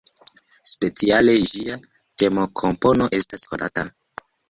Speciale ĝia temokompono estas konata.